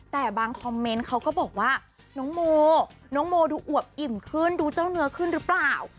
แต่บางคอมเมนต์เขาก็บอกว่าน้องโมน้องโมดูอวบอิ่มขึ้นดูเจ้าเนื้อขึ้นหรือเปล่า